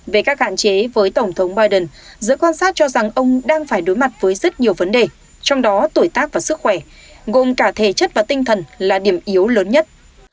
về các hạn chế với tổng thống biden giới quan sát cho rằng ông đang phải đối mặt với rất nhiều vấn đề trong đó tuổi tác và sức khỏe gồm cả thể chất và tinh thần là điểm yếu lớn nhất